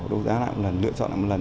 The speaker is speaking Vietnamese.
đấu giá lại một lần lựa chọn lại một lần